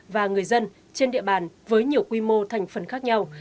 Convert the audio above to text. và người dân trên địa bàn với nhiều quy mô thành phần khác nhau